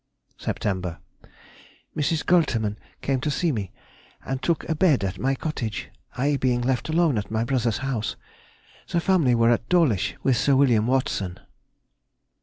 Sept.—Mrs. Goltermann came to see me, and took a bed at my cottage, I being left alone at my brother's house. The family were at Dawlish with Sir William Watson.